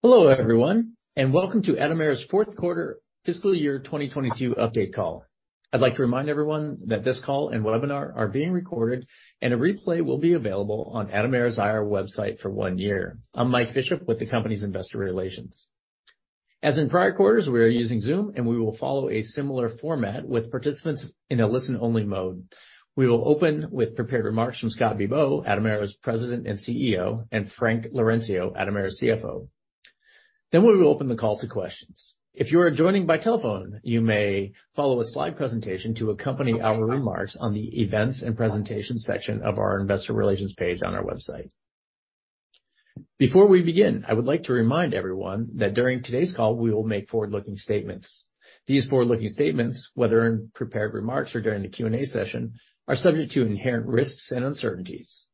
Hello, everyone, and welcome to Atomera's fourth quarter fiscal year 2022 update call. I'd like to remind everyone that this call and webinar are being recorded, and a replay will be available on Atomera's IR website for one year. I'm Mike Bishop with the company's investor relations. As in prior quarters, we are using Zoom, and we will follow a similar format with participants in a listen-only mode. We will open with prepared remarks from Scott Bibaud, Atomera's President and CEO, and Frank Laurencio, Atomera's CFO. We will open the call to questions. If you are joining by telephone, you may follow a slide presentation to accompany our remarks on the events and presentation section of our investor relations page on our website. Before we begin, I would like to remind everyone that during today's call, we will make forward-looking statements. These forward-looking statements, whether in prepared remarks or during the Q&A session, are subject to inherent risks and uncertainties.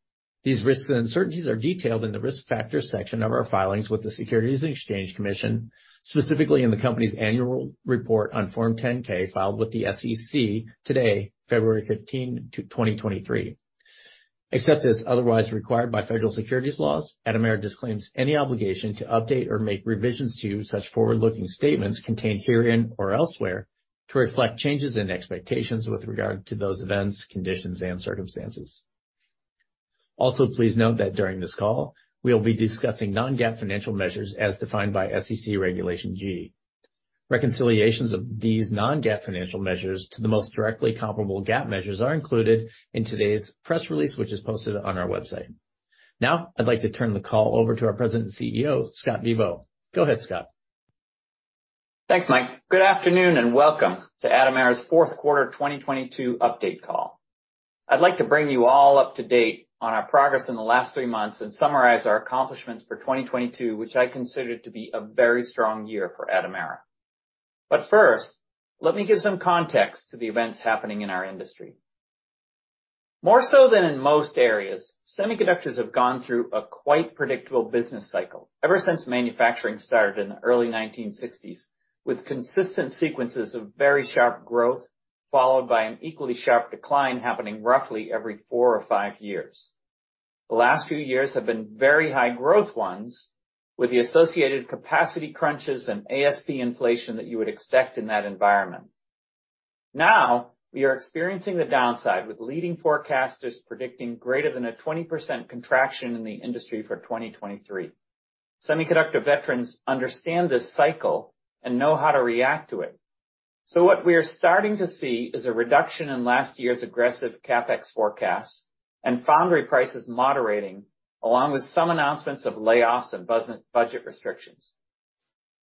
These risks and uncertainties are detailed in the Risk Factors section of our filings with the Securities and Exchange Commission, specifically in the company's annual report on Form 10-K filed with the SEC today, February 15, 2023. Except as otherwise required by federal securities laws, Atomera disclaims any obligation to update or make revisions to such forward-looking statements contained herein or elsewhere to reflect changes in expectations with regard to those events, conditions, and circumstances. Please note that during this call, we will be discussing non-GAAP financial measures as defined by SEC Regulation G. Reconciliations of these non-GAAP financial measures to the most directly comparable GAAP measures are included in today's press release, which is posted on our website. I'd like to turn the call over to our President and CEO, Scott Bibaud. Go ahead, Scott. Thanks, Mike. Good afternoon. Welcome to Atomera's fourth quarter 2022 update call. I'd like to bring you all up to date on our progress in the last three months and summarize our accomplishments for 2022, which I consider to be a very strong year for Atomera. First, let me give some context to the events happening in our industry. More so than in most areas, semiconductors have gone through a quite predictable business cycle ever since manufacturing started in the early 1960s, with consistent sequences of very sharp growth, followed by an equally sharp decline happening roughly every four or five years. The last few years have been very high growth ones with the associated capacity crunches and ASP inflation that you would expect in that environment. Now, we are experiencing the downside with leading forecasters predicting greater than a 20% contraction in the industry for 2023. Semiconductor veterans understand this cycle and know how to react to it. What we are starting to see is a reduction in last year's aggressive CapEx forecast and foundry prices moderating, along with some announcements of layoffs and budget restrictions.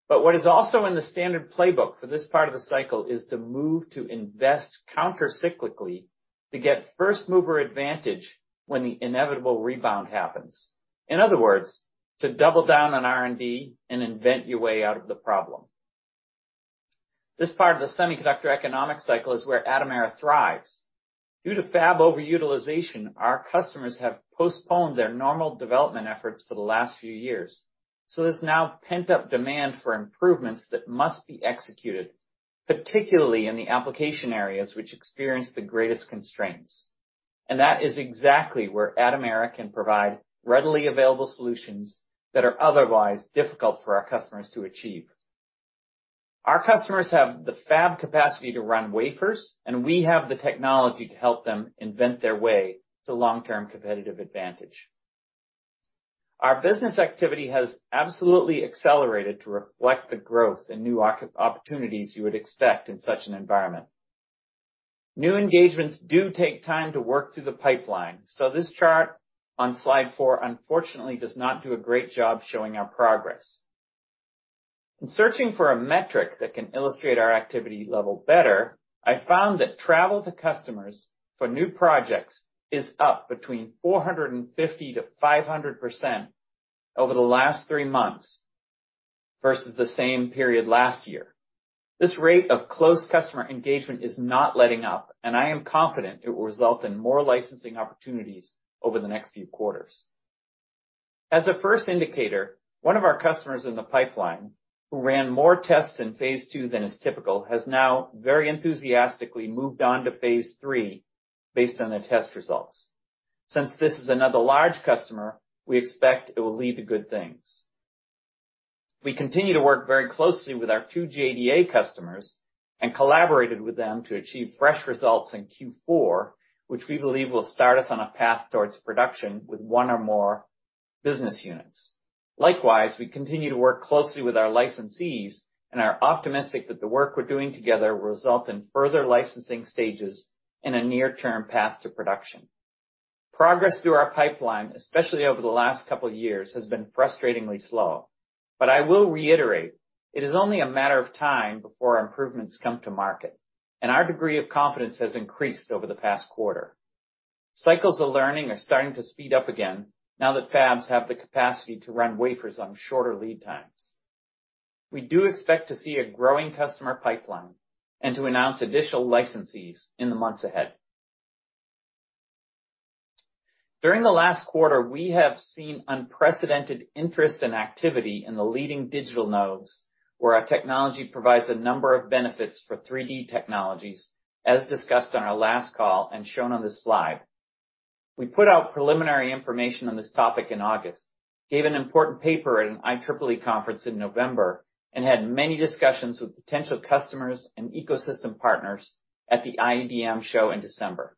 What is also in the standard playbook for this part of the cycle is to move to invest counter-cyclically to get first-mover advantage when the inevitable rebound happens. In other words, to double down on R&D and invent your way out of the problem. This part of the semiconductor economic cycle is where Atomera thrives. Due to fab over-utilization, our customers have postponed their normal development efforts for the last few years, there's now pent-up demand for improvements that must be executed, particularly in the application areas which experience the greatest constraints. That is exactly where Atomera can provide readily available solutions that are otherwise difficult for our customers to achieve. Our customers have the fab capacity to run wafers, we have the technology to help them invent their way to long-term competitive advantage. Our business activity has absolutely accelerated to reflect the growth and new opportunities you would expect in such an environment. New engagements do take time to work through the pipeline, this chart on slide four, unfortunately, does not do a great job showing our progress. In searching for a metric that can illustrate our activity level better, I found that travel to customers for new projects is up between 450%-500% over the last three months versus the same period last year. This rate of close customer engagement is not letting up, and I am confident it will result in more licensing opportunities over the next few quarters. As a first indicator, one of our customers in the pipeline who ran more tests in phase two than is typical, has now very enthusiastically moved on to phase three based on the test results. Since this is another large customer, we expect it will lead to good things. We continue to work very closely with our two JDA customers and collaborated with them to achieve fresh results in Q4, which we believe will start us on a path towards production with one or more business units. Likewise, we continue to work closely with our licensees and are optimistic that the work we're doing together will result in further licensing stages in a near-term path to production. I will reiterate, it is only a matter of time before our improvements come to market, and our degree of confidence has increased over the past quarter. Cycles of learning are starting to speed up again now that fabs have the capacity to run wafers on shorter lead times. We do expect to see a growing customer pipeline and to announce additional licensees in the months ahead. During the last quarter, we have seen unprecedented interest and activity in the leading digital nodes where our technology provides a number of benefits for 3D technologies, as discussed on our last call and shown on this slide. We put out preliminary information on this topic in August, gave an important paper at an IEEE conference in November, and had many discussions with potential customers and ecosystem partners at the IEDM Show in December.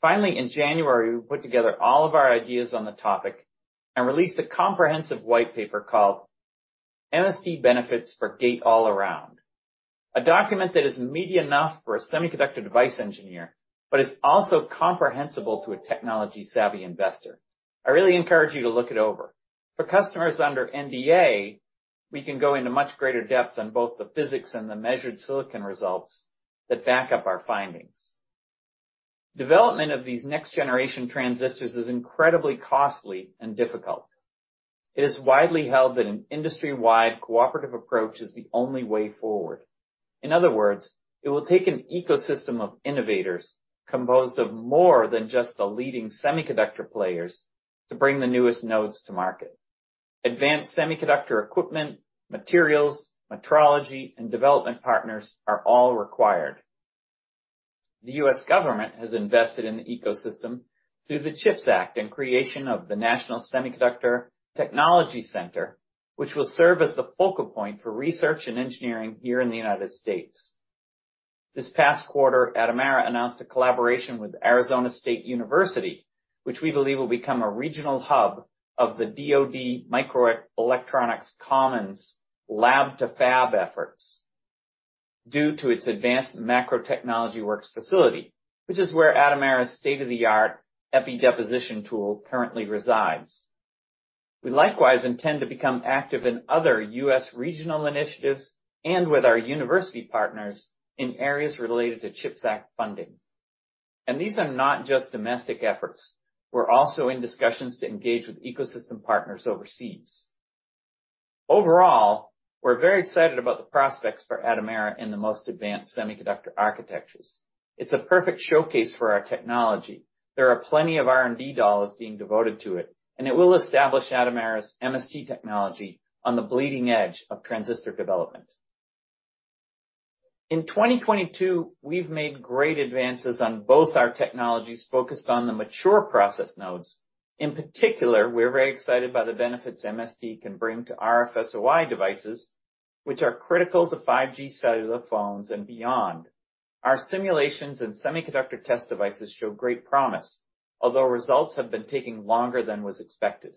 Finally, in January, we put together all of our ideas on the topic and released a comprehensive white paper called MST Benefits for Gate-All-Around, a document that is meaty enough for a semiconductor device engineer, but is also comprehensible to a technology-savvy investor. I really encourage you to look it over. For customers under NDA, we can go into much greater depth on both the physics and the measured silicon results that back up our findings. Development of these next-generation transistors is incredibly costly and difficult. It is widely held that an industry-wide cooperative approach is the only way forward. In other words, it will take an ecosystem of innovators composed of more than just the leading semiconductor players to bring the newest nodes to market. Advanced semiconductor equipment, materials, metrology, and development partners are all required. The U.S. government has invested in the ecosystem through the CHIPS Act and creation of the National Semiconductor Technology Center, which will serve as the focal point for research and engineering here in the United States. This past quarter, Atomera announced a collaboration with Arizona State University, which we believe will become a regional hub of the DoD Microelectronics Commons Lab to Fab efforts due to its advanced MacroTechnology Works facility, which is where Atomera's state-of-the-art epi deposition tool currently resides. We likewise intend to become active in other U.S. regional initiatives and with our university partners in areas related to CHIPS Act funding. These are not just domestic efforts. We're also in discussions to engage with ecosystem partners overseas. Overall, we're very excited about the prospects for Atomera in the most advanced semiconductor architectures. It's a perfect showcase for our technology. There are plenty of R&D dollars being devoted to it, and it will establish Atomera's MST technology on the bleeding edge of transistor development. In 2022, we've made great advances on both our technologies focused on the mature process nodes. In particular, we're very excited about the benefits MST can bring to RFSOI devices, which are critical to 5G cellular phones and beyond. Our simulations and semiconductor test devices show great promise, although results have been taking longer than was expected.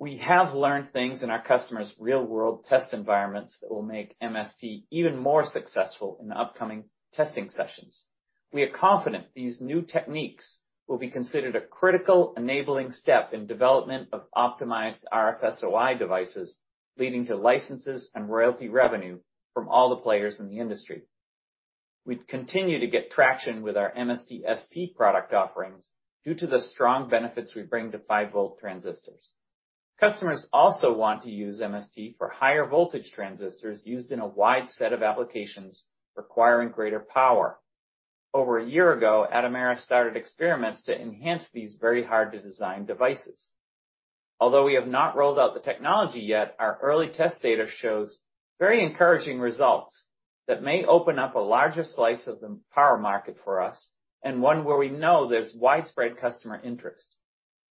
We have learned things in our customers' real-world test environments that will make MST even more successful in the upcoming testing sessions. We are confident these new techniques will be considered a critical enabling step in development of optimized RFSOI devices, leading to licenses and royalty revenue from all the players in the industry. We continue to get traction with our MST SP product offerings due to the strong benefits we bring to 5-volt transistors. Customers also want to use MST for higher voltage transistors used in a wide set of applications requiring greater power. Over a year ago, Atomera started experiments to enhance these very hard-to-design devices. We have not rolled out the technology yet, our early test data shows very encouraging results that may open up a larger slice of the power market for us, and one where we know there's widespread customer interest.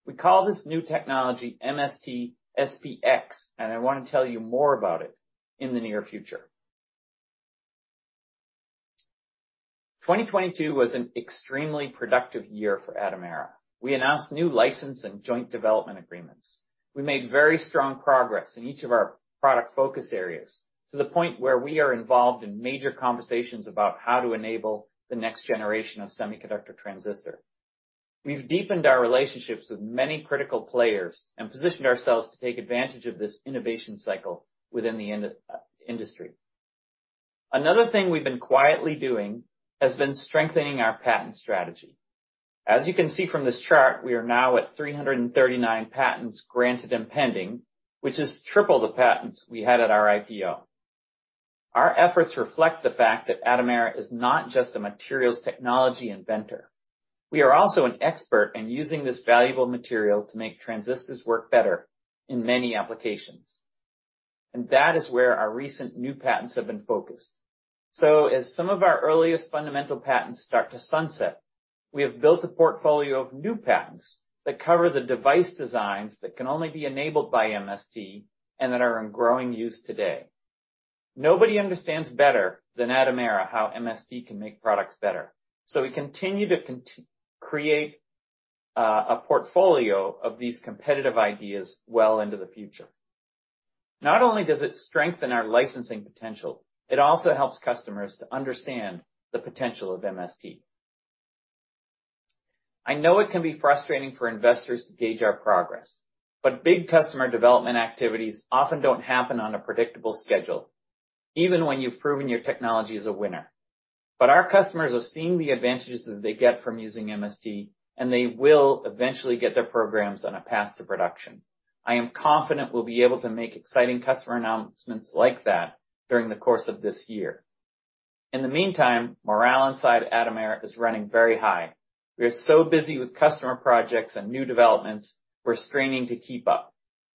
We call this new technology MST SPX, and I wanna tell you more about it in the near future. 2022 was an extremely productive year for Atomera. We announced new license and joint development agreements. We made very strong progress in each of our product focus areas to the point where we are involved in major conversations about how to enable the next generation of semiconductor transistor. We've deepened our relationships with many critical players and positioned ourselves to take advantage of this innovation cycle within the industry. Another thing we've been quietly doing has been strengthening our patent strategy. As you can see from this chart, we are now at 339 patents granted and pending, which is triple the patents we had at our IPO. Our efforts reflect the fact that Atomera is not just a materials technology inventor. We are also an expert in using this valuable material to make transistors work better in many applications. That is where our recent new patents have been focused. As some of our earliest fundamental patents start to sunset, we have built a portfolio of new patents that cover the device designs that can only be enabled by MST and that are in growing use today. Nobody understands better than Atomera how MST can make products better. We continue to create a portfolio of these competitive ideas well into the future. Not only does it strengthen our licensing potential, it also helps customers to understand the potential of MST. I know it can be frustrating for investors to gauge our progress. Big customer development activities often don't happen on a predictable schedule, even when you've proven your technology is a winner. Our customers are seeing the advantages that they get from using MST, and they will eventually get their programs on a path to production. I am confident we'll be able to make exciting customer announcements like that during the course of this year. In the meantime, morale inside Atomera is running very high. We are so busy with customer projects and new developments, we're straining to keep up.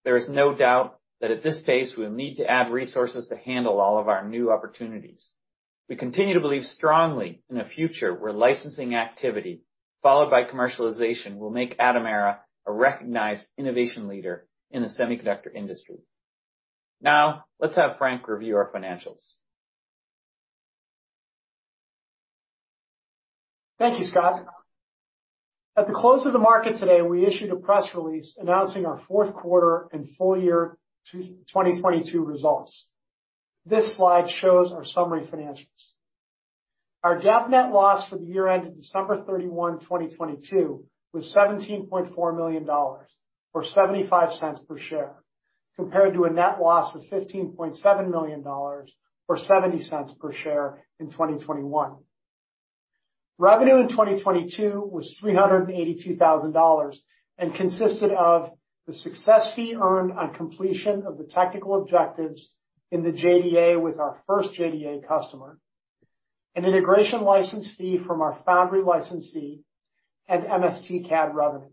There is no doubt that at this pace, we'll need to add resources to handle all of our new opportunities. We continue to believe strongly in a future where licensing activity, followed by commercialization, will make Atomera a recognized innovation leader in the semiconductor industry. Now, let's have Frank review our financials. Thank you, Scott. At the close of the market today, we issued a press release announcing our fourth quarter and full year 2022 results. This slide shows our summary financials. Our GAAP net loss for the year ended December 31, 2022 was $17.4 million, or $0.75 per share, compared to a net loss of $15.7 million, or $0.70 per share in 2021. Revenue in 2022 was $382,000 and consisted of the success fee earned on completion of the technical objectives in the JDA with our first JDA customer, an integration license fee from our foundry licensee, and MSTcad revenue.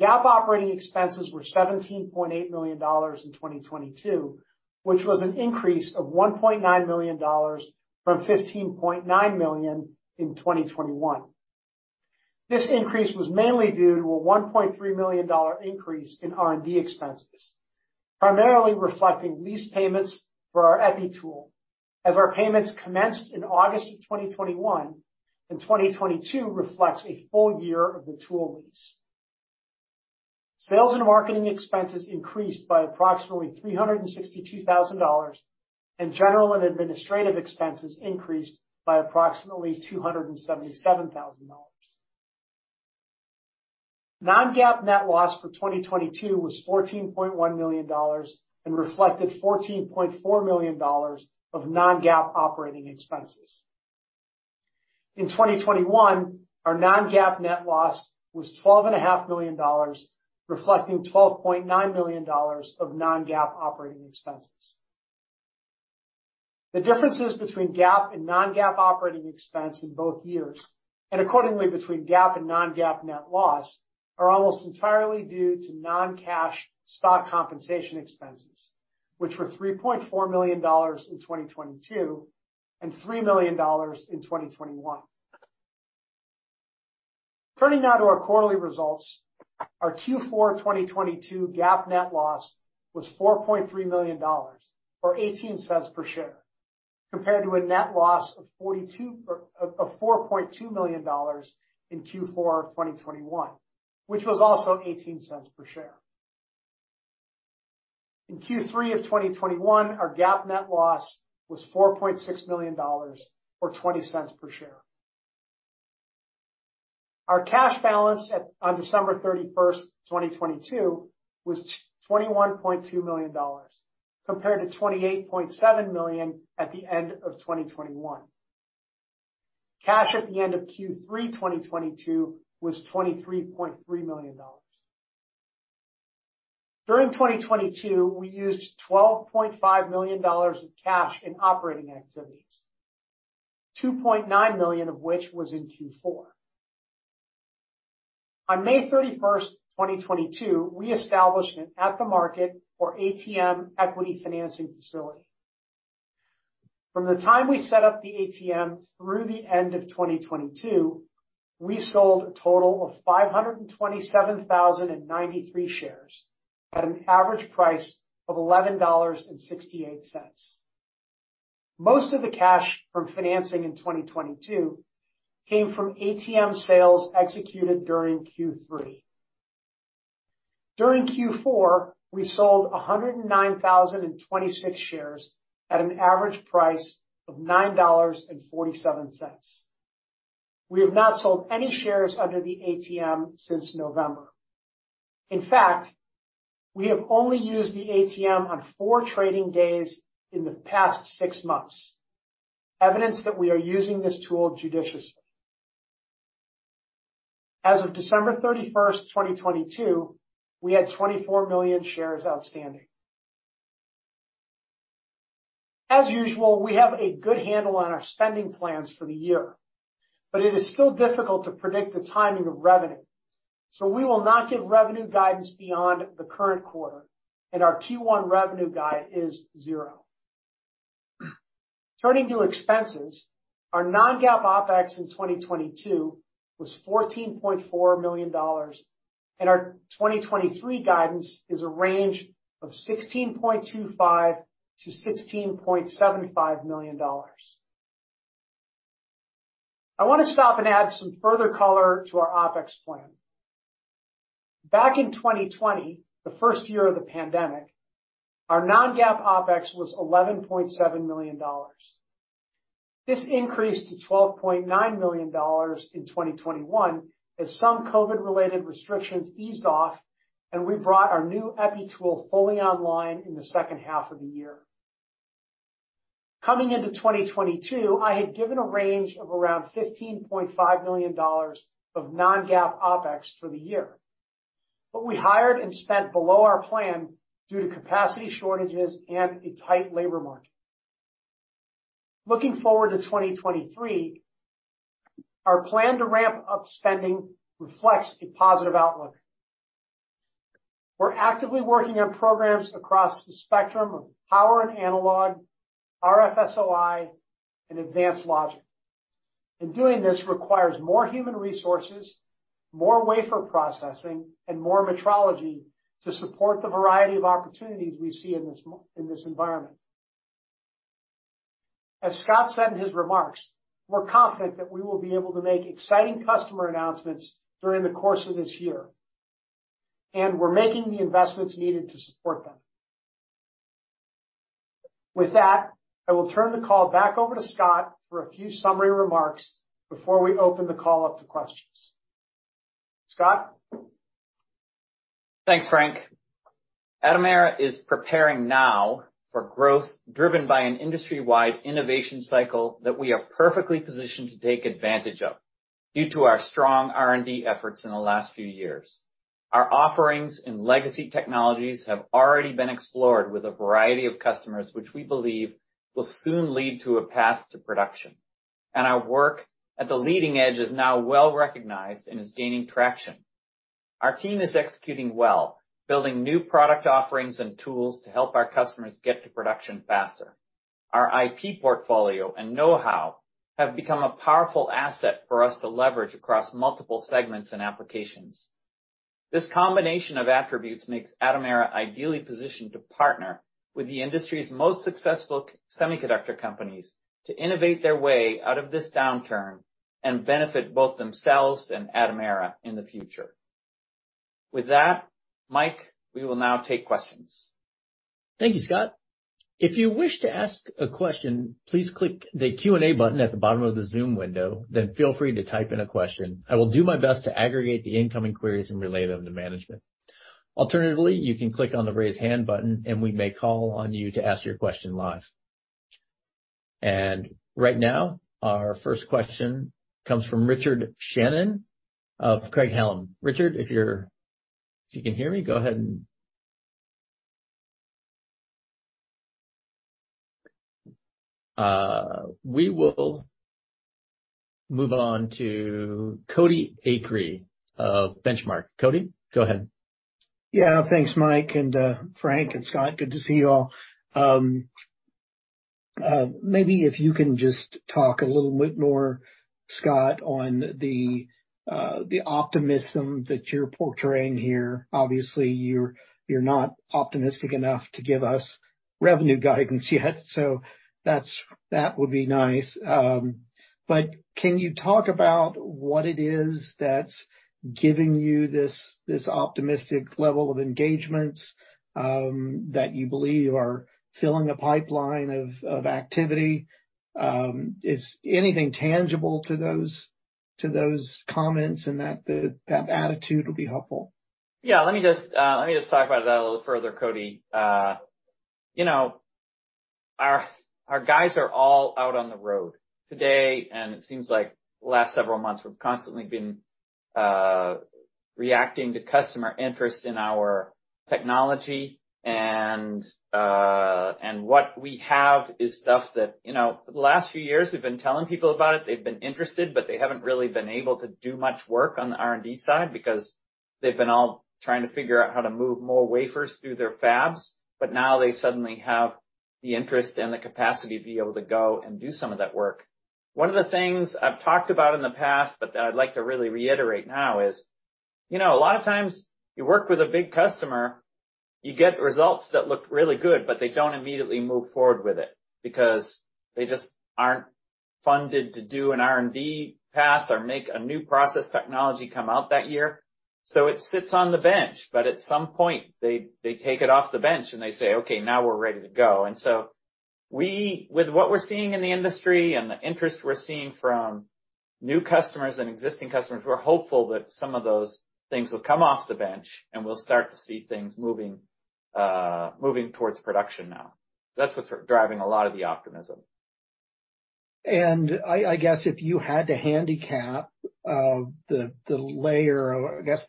GAAP operating expenses were $17.8 million in 2022, which was an increase of $1.9 million from $15.9 million in 2021. This increase was mainly due to a $1.3 million increase in R&D expenses, primarily reflecting lease payments for our epi tool. As our payments commenced in August of 2021, and 2022 reflects a full year of the tool lease. Sales and marketing expenses increased by approximately $362,000. General and administrative expenses increased by approximately $277,000. non-GAAP net loss for 2022 was $14.1 million and reflected $14.4 million of non-GAAP operating expenses. In 2021, our non-GAAP net loss was $12.5 Million, reflecting $12.9 million of non-GAAP operating expenses. The differences between GAAP and non-GAAP operating expense in both years, and accordingly between GAAP and non-GAAP net loss, are almost entirely due to non-cash stock compensation expenses, which were $3.4 million in 2022 and $3 million in 2021. Turning now to our quarterly results, our Q4 2022 GAAP net loss was $4.3 million, or $0.18 per share, compared to a net loss of $4.2 million in Q4 2021, which was also $0.18 per share. In Q3 of 2021, our GAAP net loss was $4.6 million, or $0.20 per share. Our cash balance on December 31, 2022 was $21.2 million, compared to $28.7 million at the end of 2021. Cash at the end of Q3 2022 was $23.3 million. During 2022, we used $12.5 million of cash in operating activities, $2.9 million of which was in Q4. On May 31st, 2022, we established an At-the-Market, or ATM, equity financing facility. From the time we set up the ATM through the end of 2022, we sold a total of 527,093 shares at an average price of $11.68. Most of the cash from financing in 2022 came from ATM sales executed during Q3. During Q4, we sold 109,026 shares at an average price of $9.47. We have not sold any shares under the ATM since November. In fact, we have only used the ATM on four trading days in the past six months, evidence that we are using this tool judiciously. As of December 31, 2022, we had 24 million shares outstanding. As usual, we have a good handle on our spending plans for the year, it is still difficult to predict the timing of revenue, we will not give revenue guidance beyond the current quarter, and our Q1 revenue guide is zero. Turning to expenses, our non-GAAP OpEx in 2022 was $14.4 million, and our 2023 guidance is a range of $16.25 million-$16.75 million. I want to stop and add some further color to our OpEx plan. Back in 2020, the first year of the pandemic, our non-GAAP OpEx was $11.7 million. This increased to $12.9 million in 2021 as some COVID-related restrictions eased off, we brought our new epi tool fully online in the second half of the year. Coming into 2022, I had given a range of around $15.5 million of non-GAAP OpEx for the year. We hired and spent below our plan due to capacity shortages and a tight labor market. Looking forward to 2023, our plan to ramp up spending reflects a positive outlook. We're actively working on programs across the spectrum of power and analog, RFSOI and advanced logic, doing this requires more human resources, more wafer processing, and more metrology to support the variety of opportunities we see in this environment. As Scott said in his remarks, we're confident that we will be able to make exciting customer announcements during the course of this year, and we're making the investments needed to support them. With that, I will turn the call back over to Scott for a few summary remarks before we open the call up to questions. Scott? Thanks, Frank. Atomera is preparing now for growth driven by an industry-wide innovation cycle that we are perfectly positioned to take advantage of due to our strong R&D efforts in the last few years. Our offerings in legacy technologies have already been explored with a variety of customers, which we believe will soon lead to a path to production. Our work at the leading edge is now well-recognized and is gaining traction. Our team is executing well, building new product offerings and tools to help our customers get to production faster. Our IP portfolio and know-how have become a powerful asset for us to leverage across multiple segments and applications. This combination of attributes makes Atomera ideally positioned to partner with the industry's most successful semiconductor companies to innovate their way out of this downturn and benefit both themselves and Atomera in the future. With that, Mike, we will now take questions. Thank you, Scott. If you wish to ask a question, please click the Q&A button at the bottom of the Zoom window, feel free to type in a question. I will do my best to aggregate the incoming queries and relay them to management. Alternatively, you can click on the raise hand button, we may call on you to ask your question live. Right now, our first question comes from Richard Shannon of Craig-Hallum. Richard, if you can hear me, go ahead. We will move on to Cody Acree of Benchmark. Cody, go ahead. Thanks, Mike and Frank and Scott. Good to see you all. Maybe if you can just talk a little bit more, Scott, on the optimism that you're portraying here. Obviously, you're not optimistic enough to give us revenue guidance yet, so that's, that would be nice. Can you talk about what it is that's giving you this optimistic level of engagements that you believe are filling a pipeline of activity? Is anything tangible to those comments and that attitude will be helpful. Let me just talk about that a little further, Cody Acree. You know, our guys are all out on the road today. It seems like the last several months we've constantly been reacting to customer interest in our technology. What we have is stuff that, you know, the last few years we've been telling people about it. They've been interested, but they haven't really been able to do much work on the R&D side because they've been all trying to figure out how to move more wafers through their fabs. Now they suddenly have the interest and the capacity to be able to go and do some of that work. One of the things I've talked about in the past, but that I'd like to really reiterate now is, you know, a lot of times you work with a big customer, you get results that look really good, but they don't immediately move forward with it because they just aren't funded to do an R&D path or make a new process technology come out that year. It sits on the bench, but at some point they take it off the bench, and they say, "Okay, now we're ready to go." We with what we're seeing in the industry and the interest we're seeing from new customers and existing customers, we're hopeful that some of those things will come off the bench, and we'll start to see things moving towards production now. That's what's driving a lot of the optimism. I guess if you had to handicap the layer of, I guess,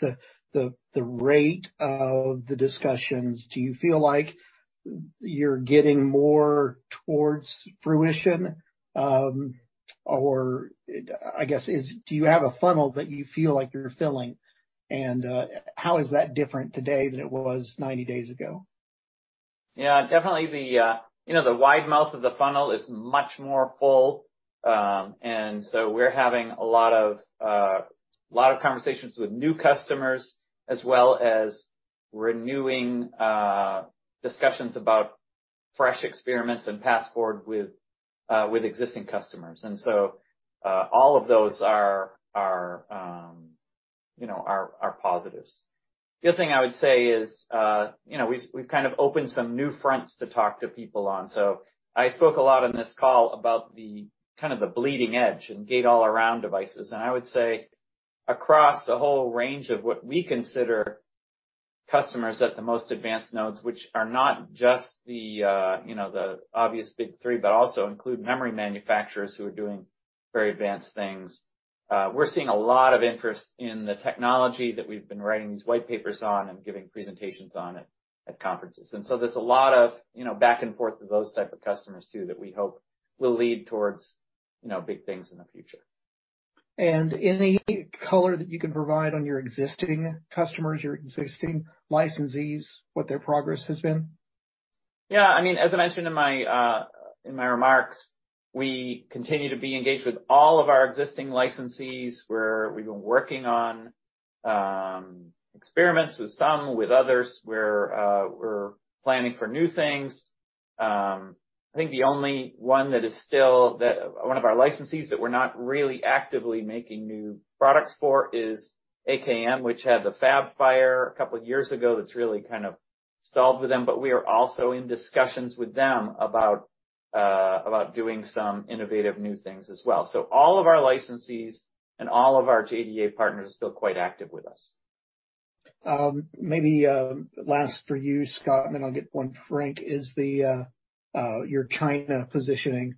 the rate of the discussions, do you feel like you're getting more towards fruition? Or I guess do you have a funnel that you feel like you're filling? How is that different today than it was 90 days ago? Yeah, definitely the, you know, the wide mouth of the funnel is much more full. We're having a lot of, a lot of conversations with new customers as well as renewing, discussions about fresh experiments and passport with existing customers. All of those are, you know, are positives. The other thing I would say is, you know, we've kind of opened some new fronts to talk to people on. I spoke a lot on this call about the kind of the bleeding edge and Gate-All-Around devices. I would say across the whole range of what we consider customers at the most advanced nodes, which are not just the, you know, the obvious big three, but also include memory manufacturers who are doing very advanced things. We're seeing a lot of interest in the technology that we've been writing these white papers on and giving presentations on at conferences. There's a lot of, you know, back and forth with those type of customers too, that we hope will lead towards, you know, big things in the future. Any color that you can provide on your existing customers, your existing licensees, what their progress has been? I mean, as I mentioned in my remarks, we continue to be engaged with all of our existing licensees, where we've been working on experiments with some, with others we're planning for new things. I think the only one of our licensees that we're not really actively making new products for is AKM, which had the fab fire two years ago, that's really kind of stalled with them. We are also in discussions with them about doing some innovative new things as well. All of our licensees and all of our JDA partners are still quite active with us. Maybe last for you, Scott, and then I'll get one for Frank, is the your China positioning.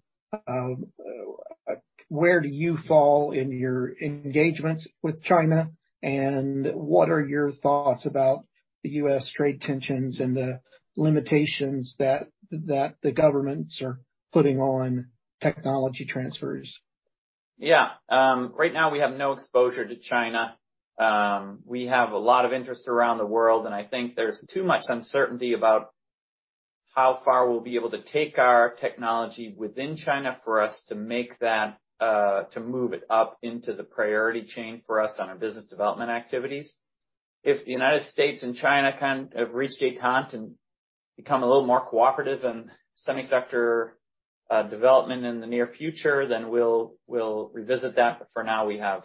Where do you fall in your engagements with China, and what are your thoughts about the U.S. trade tensions and the limitations that the governments are putting on technology transfers? Yeah. Right now we have no exposure to China. We have a lot of interest around the world, I think there's too much uncertainty about how far we'll be able to take our technology within China for us to make that to move it up into the priority chain for us on our business development activities. If the United States and China can reach a détente and become a little more cooperative in semiconductor development in the near future, we'll revisit that. For now, we have,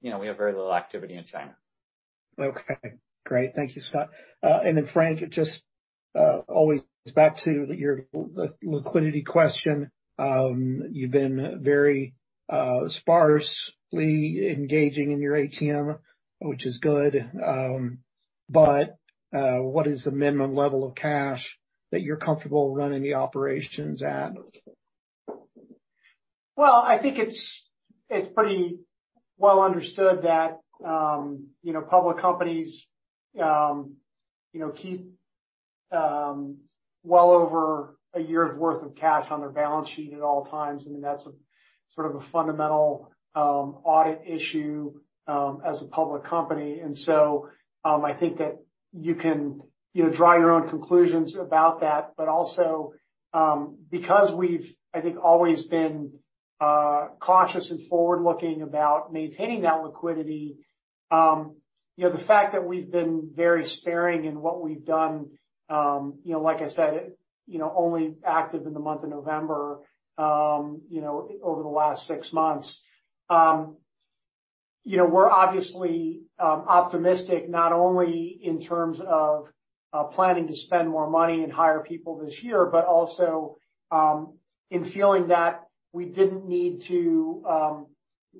you know, very little activity in China. Okay, great. Thank you, Scott. Frank, it just, always goes back to your liquidity question. You've been very, sparsely engaging in your ATM, which is good. What is the minimum level of cash that you're comfortable running the operations at? Well, I think it's pretty well understood that, you know, public companies, you know, keep, well over a year's worth of cash on their balance sheet at all times. I mean, that's a sort of a fundamental, audit issue, as a public company. I think that you can, you know, draw your own conclusions about that. Because we've, I think, always been, cautious and forward-looking about maintaining that liquidity, you know, the fact that we've been very sparing in what we've done, you know, like I said, you know, only active in the month of November, over the last six months. You know, we're obviously optimistic, not only in terms of planning to spend more money and hire people this year, but also in feeling that we didn't need to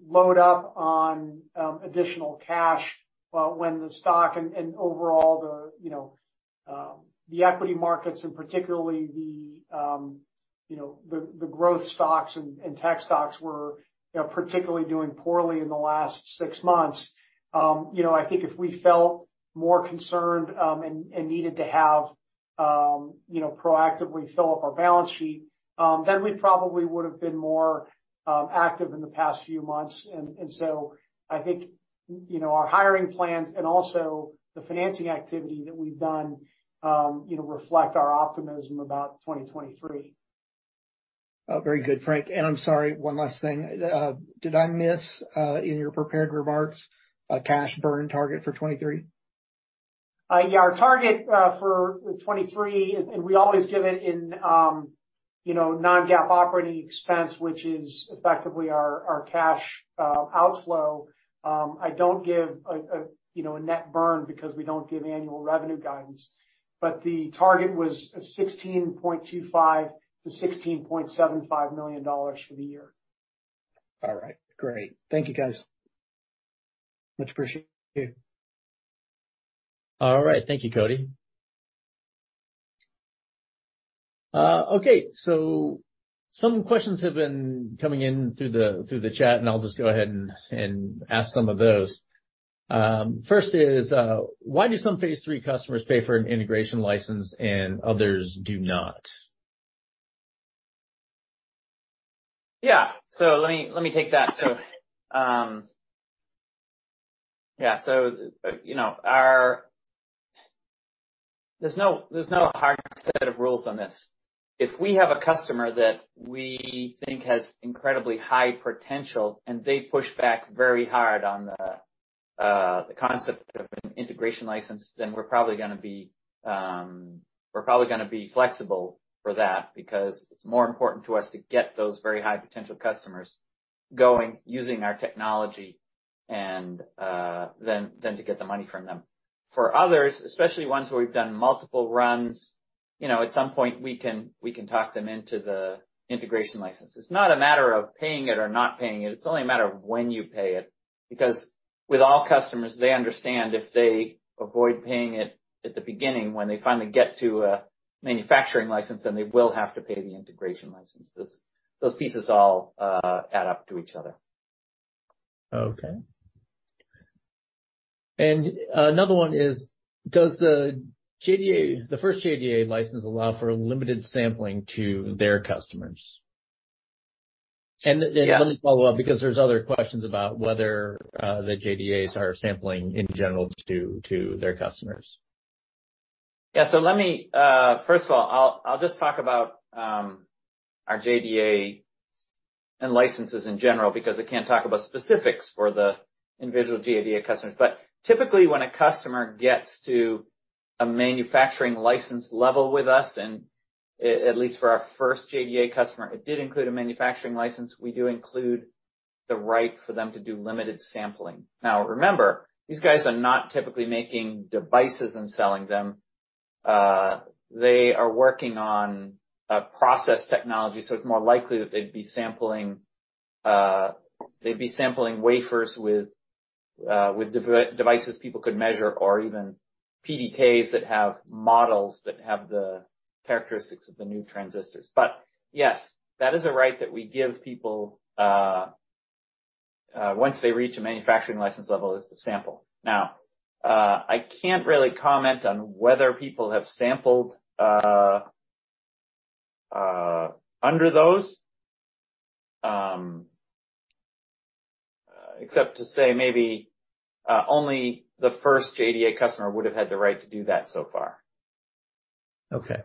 load up on additional cash when the stock and overall the equity markets and particularly the growth stocks and tech stocks were, you know, particularly doing poorly in the last six months. You know, I think if we felt more concerned and needed to have, you know, proactively fill up our balance sheet, then we probably would've been more active in the past few months. I think, you know, our hiring plans and also the financing activity that we've done, reflect our optimism about 2023. Very good, Frank. I'm sorry, one last thing. Did I miss in your prepared remarks, a cash burn target for 23? Yeah. Our target for 2023, we always give it in, you know, non-GAAP operating expense, which is effectively our cash outflow. I don't give a, you know, a net burn because we don't give annual revenue guidance. The target was $16.25 million-$16.75 million for the year. All right, great. Thank you, guys. Much appreciated. All right. Thank you, Cody. Okay, some questions have been coming in through the chat. I'll just go ahead and ask some of those. First is, why do some phase III customers pay for an integration license and others do not? Let me take that. You know, there's no hard set of rules on this. If we have a customer that we think has incredibly high potential, and they push back very hard on the concept of an integration license, then we're probably gonna be flexible for that because it's more important to us to get those very high potential customers going using our technology and than to get the money from them. For others, especially ones where we've done multiple runs, you know, at some point we can talk them into the integration license. It's not a matter of paying it or not paying it. It's only a matter of when you pay it, because with all customers, they understand if they avoid paying it at the beginning, when they finally get to a Manufacturing license, then they will have to pay the integration license. Those pieces all add up to each other. Okay. Another one is, does the JDA, the first JDA license allow for limited sampling to their customers? Yeah. Let me follow up, because there's other questions about whether the JDAs are sampling in general to their customers. Let me first of all, I'll just talk about our JDAs and licenses in general because I can't talk about specifics for the individual JDA customers. Typically, when a customer gets to a manufacturing license level with us, and at least for our first JDA customer, it did include a manufacturing license, we do include the right for them to do limited sampling. Now remember, these guys are not typically making devices and selling them. They are working on a process technology, so it's more likely that they'd be sampling wafers with devices people could measure or even PDKs that have models that have the characteristics of the new transistors. Yes, that is a right that we give people once they reach a manufacturing license level is to sample. Now, I can't really comment on whether people have sampled under those, except to say maybe, only the first JDA customer would have had the right to do that so far. Okay.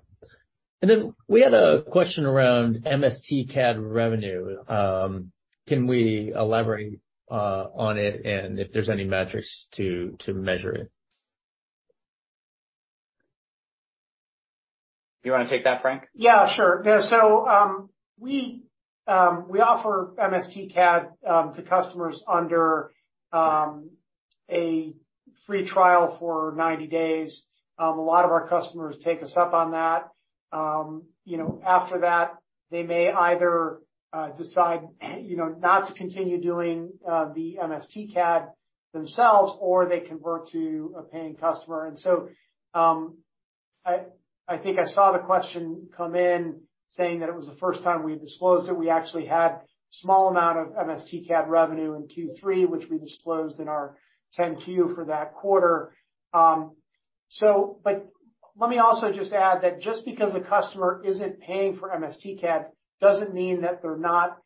Then we had a question around MSTcad revenue. Can we elaborate on it and if there's any metrics to measure it? You wanna take that, Frank? Sure. We offer MSTcad to customers under a free trial for 90 days. A lot of our customers take us up on that. You know, after that, they may either decide, you know, not to continue doing the MSTcad themselves, or they convert to a paying customer. I think I saw the question come in saying that it was the first time we've disclosed it. We actually had small amount of MSTcad revenue in Q3, which we disclosed in our 10-Q for that quarter. Let me also just add that just because a customer isn't paying for MSTcad doesn't mean that they're not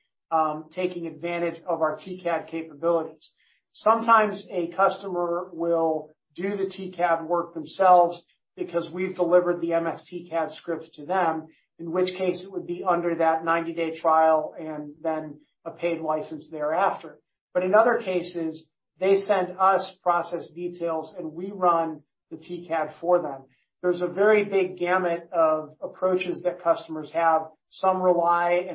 taking advantage of our TCAD capabilities. Sometimes a customer will do the TCAD work themselves because we've delivered the MSTcad script to them, in which case it would be under that 90-day trial and then a paid license thereafter. In other cases, they send us process details, and we run the TCAD for them. There's a very big gamut of approaches that customers have. Some rely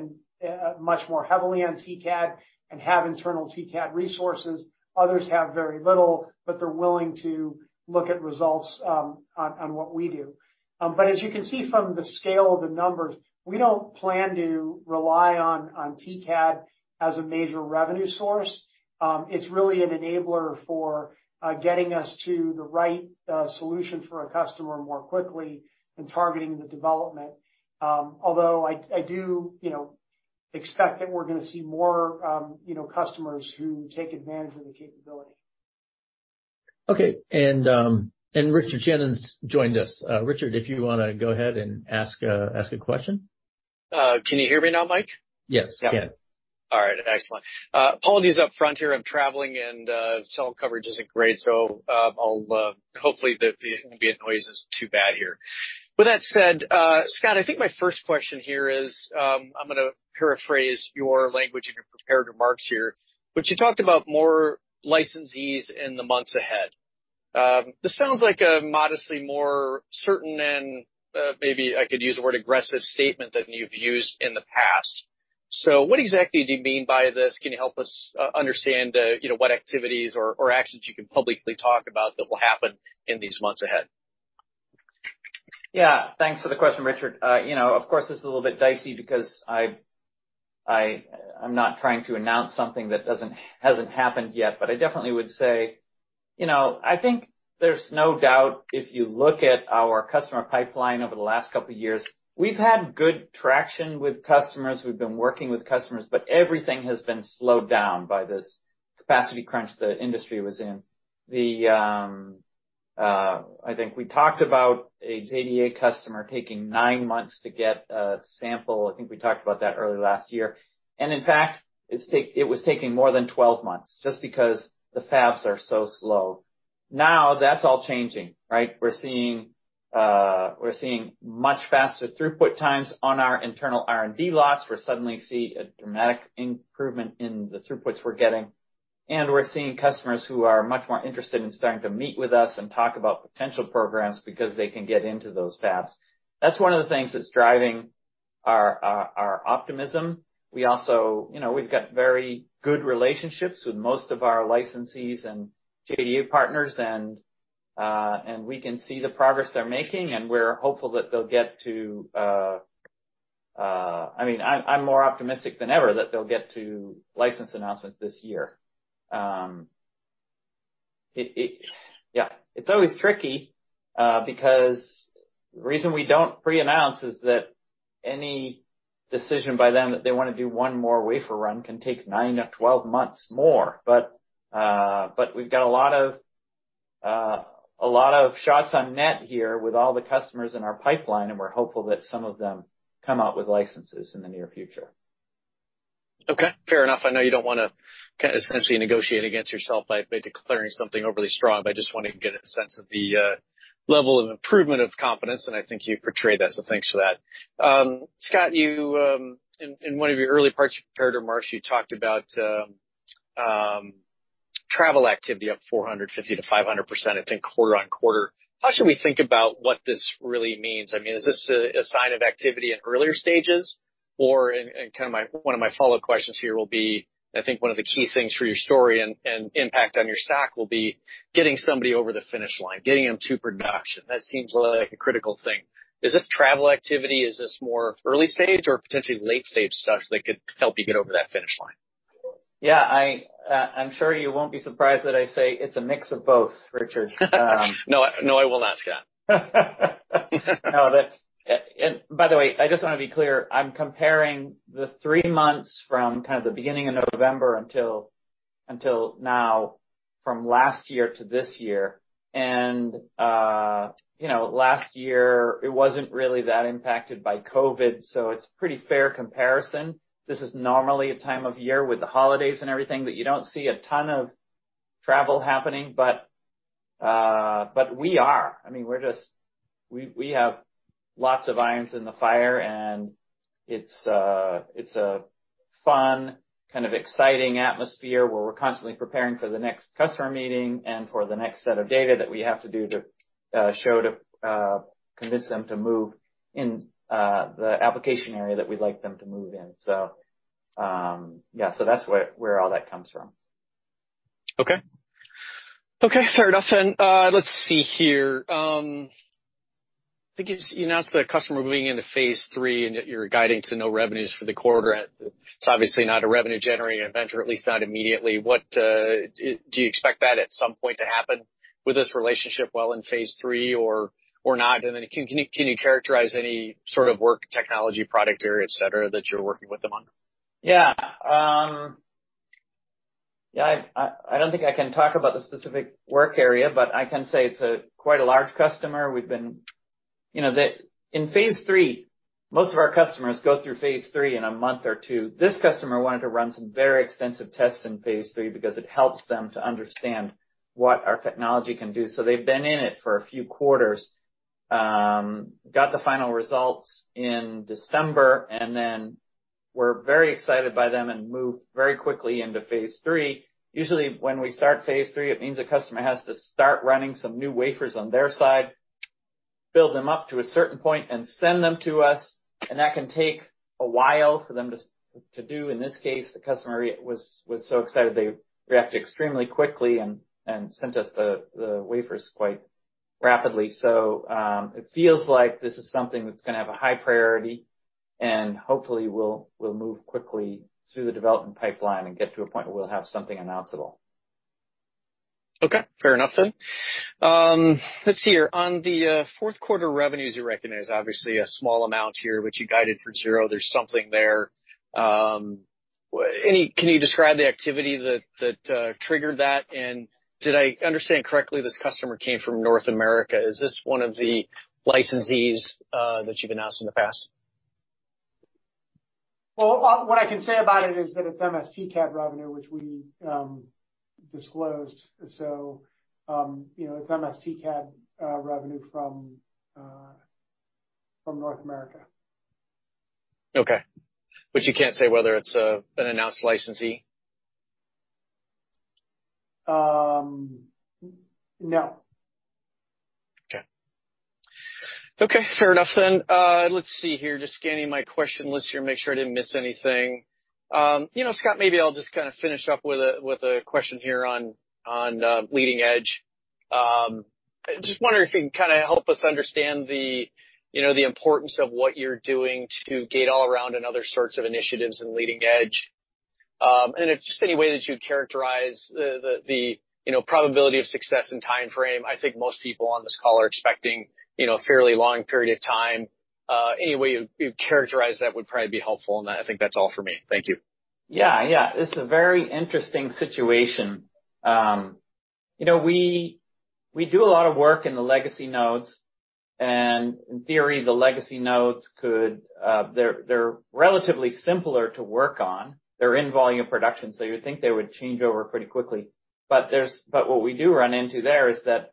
much more heavily on TCAD and have internal TCAD resources. Others have very little, they're willing to look at results on what we do. As you can see from the scale of the numbers, we don't plan to rely on TCAD as a major revenue source. It's really an enabler for getting us to the right solution for a customer more quickly and targeting the development. I do, you know, expect that we're gonna see more, you know, customers who take advantage of the capability. Okay. Richard Shannon's joined us. Richard, if you wanna go ahead and ask a question. Can you hear me now, Mike? Yes. Yeah. You can. All right. Excellent. Apologies up front here. I'm traveling, and cell coverage isn't great, so I'll hopefully the noise isn't too bad here. With that said, Scott, I think my first question here is, I'm gonna paraphrase your language in your prepared remarks here, but you talked about more licensees in the months ahead. This sounds like a modestly more certain and maybe I could use the word aggressive statement than you've used in the past. What exactly do you mean by this? Can you help us understand, you know, what activities or actions you can publicly talk about that will happen in these months ahead? Yeah. Thanks for the question, Richard. You know, of course, this is a little bit dicey because I'm not trying to announce something that doesn't, hasn't happened yet. I definitely would say, you know, I think there's no doubt, if you look at our customer pipeline over the last couple of years, we've had good traction with customers. We've been working with customers, but everything has been slowed down by this capacity crunch the industry was in. I think we talked about a JDA customer taking nine months to get a sample. I think we talked about that early last year. In fact, it was taking more than 12 months just because the fabs are so slow. Now, that's all changing, right? We're seeing much faster throughput times on our internal R&D lots. We're suddenly see a dramatic improvement in the throughputs we're getting. We're seeing customers who are much more interested in starting to meet with us and talk about potential programs because they can get into those fabs. That's one of the things that's driving our optimism. We also, you know, we've got very good relationships with most of our licensees and JDA partners and we can see the progress they're making, and we're hopeful that they'll get to. I mean, I'm more optimistic than ever that they'll get to license announcements this year. Yeah, it's always tricky, because the reason we don't pre-announce is that any decision by them that they wanna do one more wafer run can take nine-12 months more. We've got a lot of shots on net here with all the customers in our pipeline, and we're hopeful that some of them come out with licenses in the near future. Okay, fair enough. I know you don't wanna essentially negotiate against yourself by declaring something overly strong, but I just want to get a sense of the level of improvement of confidence, and I think you portrayed that, so thanks for that. Scott, you in one of your early parts prepared remarks, you talked about travel activity up 450%-500%, I think quarter-over-quarter. How should we think about what this really means? I mean, is this a sign of activity in earlier stages? Kind of one of my follow-up questions here will be, I think one of the key things for your story and impact on your stock will be getting somebody over the finish line, getting them to production. That seems like a critical thing. Is this travel activity, is this more early stage or potentially late stage stuff that could help you get over that finish line? Yeah. I'm sure you won't be surprised that I say it's a mix of both, Richard. No, I, no, I will not, Scott. No, that's. And by the way, I just wanna be clear, I'm comparing the three months from kind of the beginning of November until now from last year to this year. You know, last year it wasn't really that impacted by COVID, so it's pretty fair comparison. This is normally a time of year with the holidays and everything that you don't see a ton of travel happening. We are. I mean, we're just. We have lots of irons in the fire, and it's a fun, kind of exciting atmosphere where we're constantly preparing for the next customer meeting and for the next set of data that we have to do to show to convince them to move in the application area that we'd like them to move in. Yeah, so that's where all that comes from. Okay. Okay, fair enough then. Let's see here. I think it's, you announced a customer moving into phase III and that you're guiding to no revenues for the quarter. It's obviously not a revenue generating venture, at least not immediately. What do you expect that at some point to happen with this relationship while in phase III or not? Can you characterize any sort of work technology, product area, et cetera, that you're working with them on? Yeah. Yeah, I don't think I can talk about the specific work area, but I can say it's a quite a large customer. We've been, you know. In phase III, most of our customers go through phase III in one month or two. This customer wanted to run some very extensive tests in phase III because it helps them to understand what our technology can do. They've been in it for a few quarters. Got the final results in December and then were very excited by them and moved very quickly into phase III. Usually, when we start phase III, it means a customer has to start running some new wafers on their side, build them up to a certain point, and send them to us, and that can take a while for them to do. In this case, the customer was so excited, they reacted extremely quickly and sent us the wafers quite rapidly. It feels like this is something that's gonna have a high priority and hopefully will move quickly through the development pipeline and get to a point where we'll have something announceable. Okay, fair enough then. Let's see here. On the fourth quarter revenues, you recognize obviously a small amount here, which you guided for zero. There's something there. Can you describe the activity that triggered that? Did I understand correctly, this customer came from North America. Is this one of the licensees that you've announced in the past? What I can say about it is that it's MSTcad revenue, which we disclosed. You know, it's MSTcad, revenue from North America. Okay. You can't say whether it's an announced licensee? No. Okay. Okay, fair enough then. Let's see here. Just scanning my question list here, make sure I didn't miss anything. You know, Scott, maybe I'll just kind of finish up with a question here on leading edge. I just wondering if you can kind of help us understand the, you know, the importance of what you're doing to Gate-All-Around in other sorts of initiatives in leading edge. If just any way that you'd characterize the, you know, probability of success and timeframe. I think most people on this call are expecting, you know, a fairly long period of time. Any way you characterize that would probably be helpful. I think that's all for me. Thank you. Yeah. Yeah. It's a very interesting situation. You know, we do a lot of work in the legacy nodes. In theory, the legacy nodes could, they're relatively simpler to work on. They're in volume production. You would think they would change over pretty quickly. What we do run into there is that,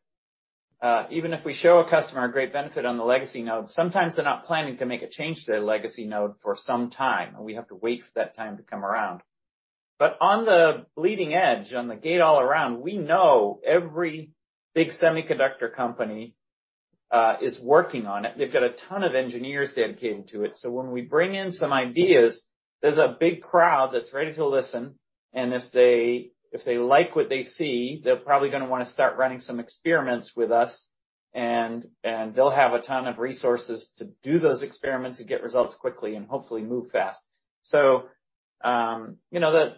even if we show a customer a great benefit on the legacy node, sometimes they're not planning to make a change to their legacy node for some time. We have to wait for that time to come around. On the leading edge, on the Gate-All-Around, we know every big semiconductor company is working on it. They've got a ton of engineers dedicated to it. When we bring in some ideas, there's a big crowd that's ready to listen. If they like what they see, they're probably gonna wanna start running some experiments with us. They'll have a ton of resources to do those experiments and get results quickly and hopefully move fast. You know,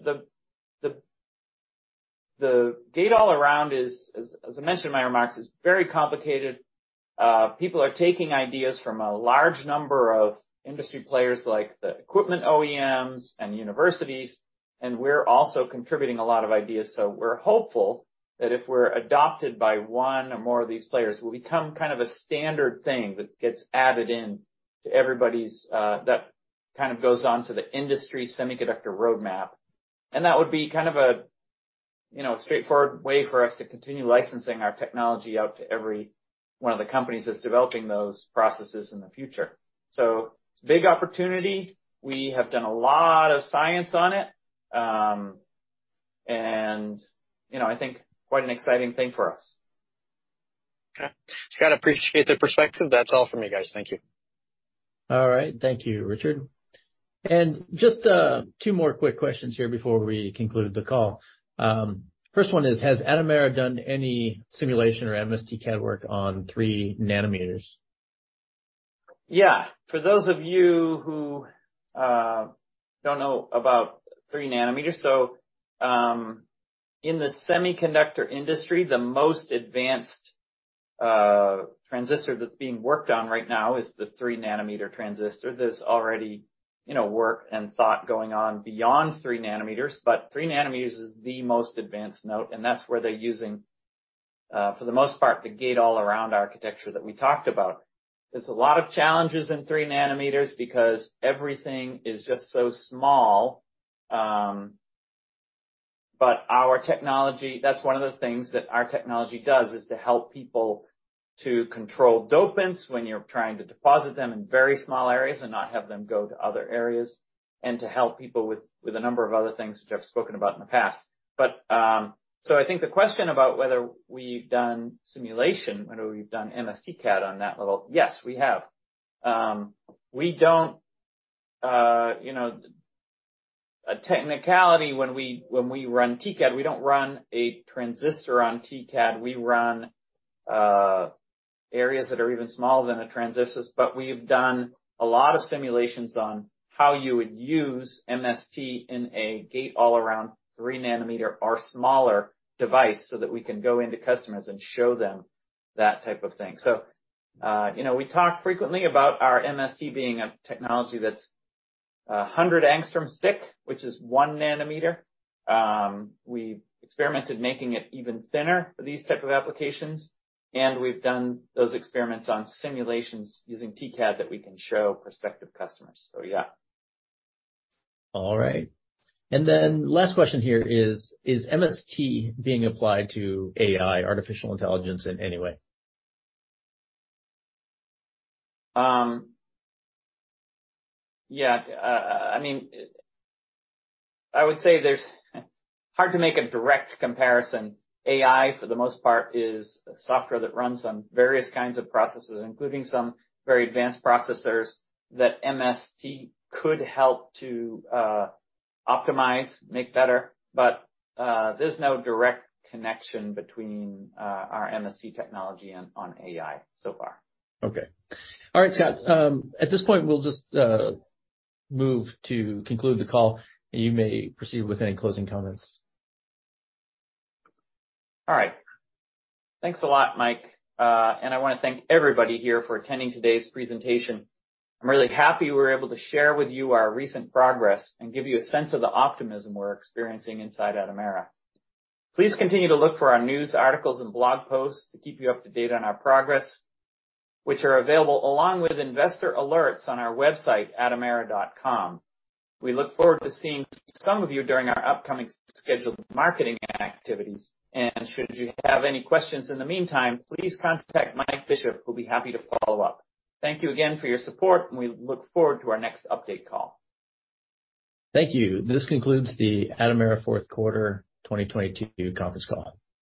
the Gate-All-Around is, as I mentioned in my remarks, is very complicated. People are taking ideas from a large number of industry players like the equipment OEMs and universities, and we're also contributing a lot of ideas. We're hopeful that if we're adopted by one or more of these players, we'll become kind of a standard thing that gets added in to everybody's. That kind of goes on to the industry semiconductor roadmap. That would be kind of a, you know, straightforward way for us to continue licensing our technology out to every one of the companies that's developing those processes in the future. It's a big opportunity. We have done a lot of science on it. You know, I think quite an exciting thing for us. Okay. Scott, appreciate the perspective. That's all for me, guys. Thank you. All right. Thank you, Richard. Just two more quick questions here before we conclude the call. First one is, has Atomera done any simulation or MSTcad work on 3 nanometers? For those of you who don't know about 3 nanometers, in the semiconductor industry, the most advanced transistor that's being worked on right now is the 3 nanometer transistor. There's already, you know, work and thought going on beyond 3 nanometers, but 3 nanometers is the most advanced node, and that's where they're using, for the most part, the Gate-All-Around architecture that we talked about. There's a lot of challenges in 3 nanometers because everything is just so small. That's one of the things that our technology does, is to help people to control dopants when you're trying to deposit them in very small areas and not have them go to other areas, and to help people with a number of other things, which I've spoken about in the past. I think the question about whether we've done simulation, whether we've done MSTcad on that level, yes, we have. We don't, you know, a technicality, when we, when we run TCAD, we don't run a transistor on TCAD. We run areas that are even smaller than the transistors. We've done a lot of simulations on how you would use MST in a Gate-All-Around 3 nanometer or smaller device, so that we can go into customers and show them that type of thing. you know, we talk frequently about our MST being a technology that's 100 angstrom thick, which is 1 nanometer. We've experimented making it even thinner for these type of applications, and we've done those experiments on simulations using TCAD that we can show prospective customers. Yeah. All right. Last question here is MST being applied to AI, artificial intelligence, in any way? Yeah. I mean, I would say there's. Hard to make a direct comparison. AI, for the most part, is a software that runs on various kinds of processors, including some very advanced processors that MST could help to optimize, make better, but there's no direct connection between our MST technology and on AI so far. Okay. All right, Scott. At this point, we'll just move to conclude the call. You may proceed with any closing comments. All right. Thanks a lot, Mike. I wanna thank everybody here for attending today's presentation. I'm really happy we're able to share with you our recent progress and give you a sense of the optimism we're experiencing inside Atomera. Please continue to look for our news articles and blog posts to keep you up to date on our progress, which are available along with investor alerts on our website, atomera.com. We look forward to seeing some of you during our upcoming scheduled marketing activities. Should you have any questions in the meantime, please contact Mike Bishop, who'll be happy to follow up. Thank you again for your support, and we look forward to our next update call. Thank you. This concludes the Atomera fourth quarter 2022 conference call.